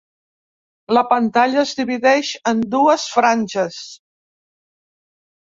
La pantalla es divideix en dues franges.